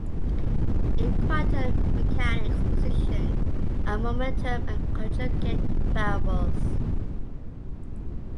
In quantum mechanics, position and momentum are conjugate variables.